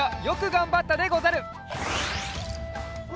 よくがんばったでござる！